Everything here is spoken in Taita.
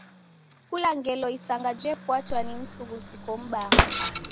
Kula ngelo isanga jepatwa ni msughusiko m'baa.